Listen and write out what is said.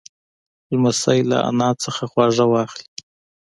لمسی له نیا نه خواږه واخلې.